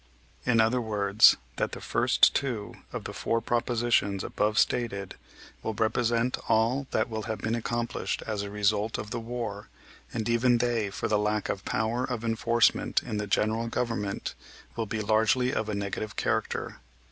In other words, that the first two of the four propositions above stated will represent all that will have been accomplished as a result of the war, and even they, for the lack of power of enforcement in the general government, will be largely of a negative character.